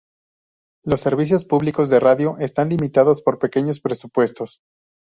Los servicios públicos de radio están limitados por pequeños presupuestos.